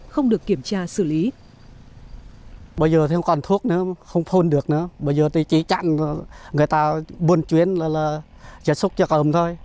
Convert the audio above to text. không được kiểm tra xử lý